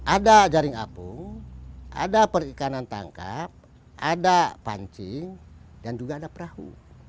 ada jaring apung ada perikanan tangkap ada pancing dan juga ada perahu